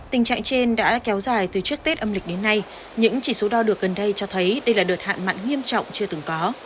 tình trạng trên đã kéo dài từ trước tết âm lịch đến nay những chỉ số đo được gần đây cho thấy đây là đợt hạn mặn nghiêm trọng chưa từng có